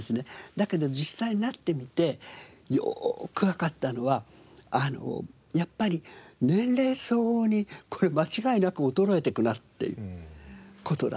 だけど実際になってみてよーくわかったのはやっぱり年齢相応にこれ間違いなく衰えていくなっていう事だった。